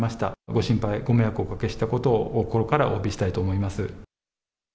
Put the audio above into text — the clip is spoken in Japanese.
ご心配、ご迷惑をおかけしたことを心からおわびしたいと思います。